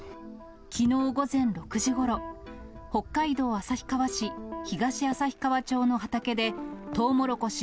きのう午前６時ごろ、北海道旭川市東旭川町の畑で、トウモロコシ